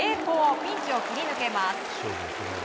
ピンチを切り抜けます。